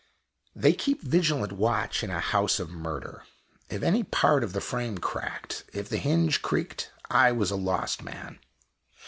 They keep vigilant watch in a House of Murder. If any part of the frame cracked, if the hinge creaked, I was a lost man!